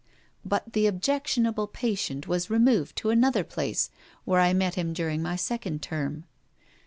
But the objectionable patient was removed to another place, where I met him during my second term.